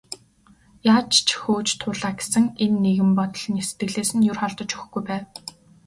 Яаж ч хөөж туулаа гэсэн энэ нэгэн бодол сэтгэлээс нь ер холдож өгөхгүй байв.